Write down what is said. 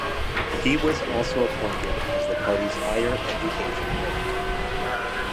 He was also appointed as the party's Higher Education Critic.